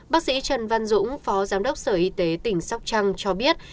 bác sĩ trần văn dũng phó giám đốc sở y tế tỉnh sóc trăng cho biết